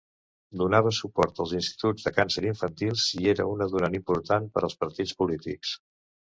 Donava suport als instituts de càncer infantils i era una donant important per als partits polítics.